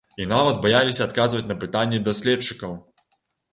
І нават баяліся адказваць на пытанні даследчыкаў!